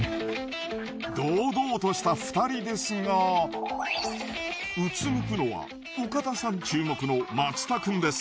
堂々とした２人ですがうつむくのは岡田さん注目の松田くんです。